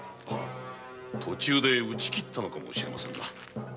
途中で打ち切ったのかもしれませんな。